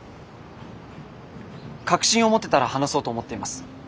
確信を持てたら話そうと思っています。